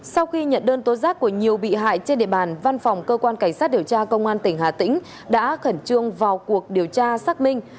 sau khi nhận đơn tố giác của nhiều bị hại trên địa bàn văn phòng cơ quan cảnh sát điều tra công an tỉnh hà tĩnh đã khẩn trương vào cuộc điều tra xác minh